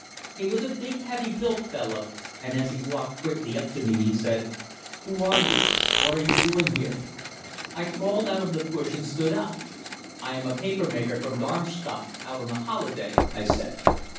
He was a big heavy built fellow, and as he walked quickly up to me he said, "Who are you? What are you doing here?" I crawled out of the bush and stood up. "I am a papermaker from Darmstadt out on a holiday," I said.